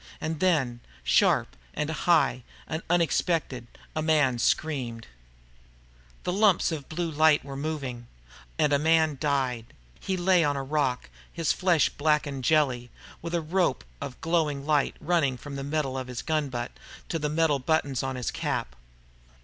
And then, sharp and high and unexpected, a man screamed. The lumps of blue light were moving. And a man had died. He lay on the rock, his flesh blackened jelly, with a rope of glowing light running from the metal of his gun butt to the metal buttons on his cap.